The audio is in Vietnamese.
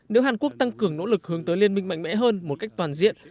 nếu hàn quốc tăng cường nỗ lực hướng tới liên minh mạnh mẽ hơn một cách toàn diện